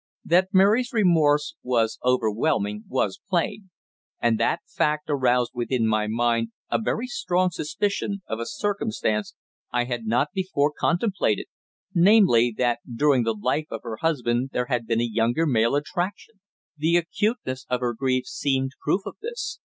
That Mary's remorse was overwhelming was plain; and that fact aroused within my mind a very strong suspicion of a circumstance I had not before contemplated, namely, that during the life of her husband there had been a younger male attraction. The acuteness of her grief seemed proof of this.